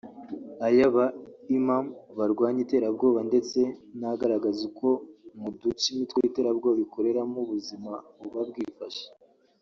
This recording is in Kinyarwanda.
ay’aba Imam barwanya iterabwoba ndetse n’agaragaza uko mu duce imitwe y’iterabwoba ikoreramo ubuzima buba bwifashe